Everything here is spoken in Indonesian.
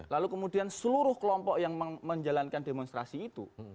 lalu kemudian seluruh kelompok yang menjalankan demonstrasi itu